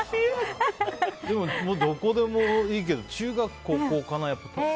どこでもいいけど中学、高校かな、やっぱ。